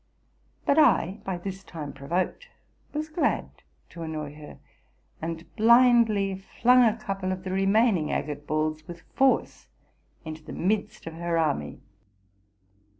But I, by this time provoked, was glad to annoy her, and blindly flung a couple of the remaining agate balls with force into the midst of her army.